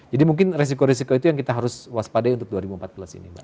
jadi mungkin risiko risiko itu yang kita harus waspadai untuk dua ribu empat belas ini